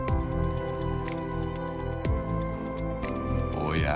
おや？